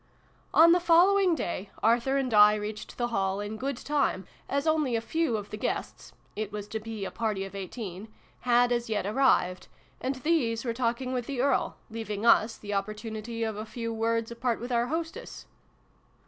ON the following day, Arthur and I reached the Hall in good time, as only a few of the guests it was to be a party of eighteen had as yet arrived ; and these were talking with the Earl, leaving us the opportunity of a few words apart with our hostess.